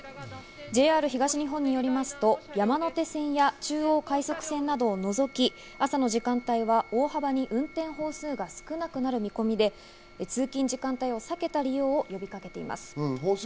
ＪＲ東日本によりますと山手線や中央快速線などを除き、朝の時間帯は大幅に運転本数が少なくなる見込みで、通勤時間帯を避けた利用を呼びかけています。